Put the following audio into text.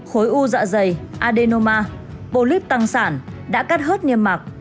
khối u dạ dày adenoma polyp tăng sản đã cắt hết niêm mạc